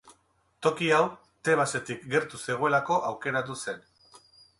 Toki hau Tebasetik gertu zegoelako aukeratu zen.